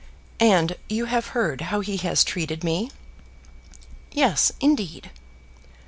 "And you have heard how he has treated me?" "Yes, indeed."